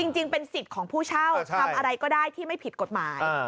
จริงเป็นสิทธิ์ของผู้เช่าทำอะไรก็ได้ที่ไม่ผิดกฎหมาย